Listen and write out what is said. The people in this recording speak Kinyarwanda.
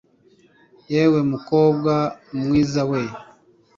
yewe mukobwa mwiza we